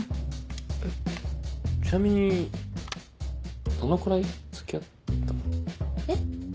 ちなみにどのくらい付き合ったの？え？